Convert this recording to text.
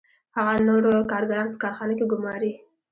هغه نور کارګران په کارخانه کې ګوماري